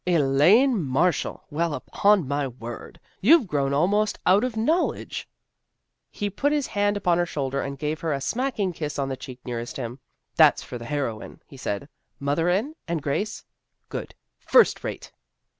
"Elaine Marshall! Well, upon my word! You've grown almost out of knowledge." He put his hand upon her shoulder and gave her a smacking kiss on the cheek nearest him. " That's for the heroine," he said. " Mother in? And Grace? Good. First rate."